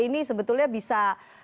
ini sebetulnya bisa